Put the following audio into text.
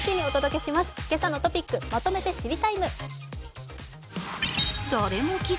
「けさのトピックまとめて知りＴＩＭＥ，」。